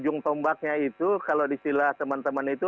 ujung tombaknya itu kalau di sila teman teman itu